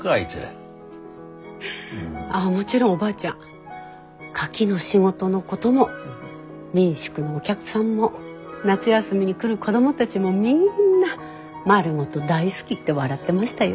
ああもちろんおばあちゃんカキの仕事のことも民宿のお客さんも夏休みに来る子供たちもみんな丸ごと大好きって笑ってましたよ。